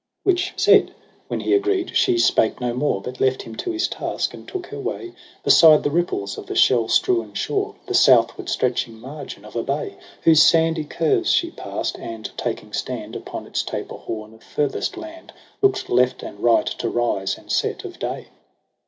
Which said, when he agreed, she spake no more, .But left him to his task, and took her way Beside the ripples of the shell strewn shore. The southward stretching margin of a bay. Whose sandy curves she pass'd, and taking stand Upon its taper horn of furthest land, Lookt left and right to rise and set of day.